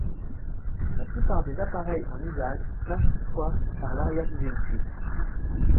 La plupart des appareils en usage flashent toutefois par l'arrière du véhicule.